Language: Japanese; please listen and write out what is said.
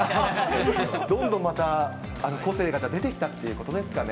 どんどんまた、個性が出てきたっていうことですかね。